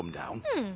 うん。